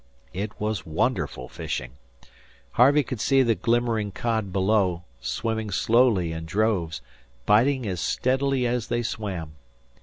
It was wonderful fishing. Harvey could see the glimmering cod below, swimming slowly in droves, biting as steadily as they swam.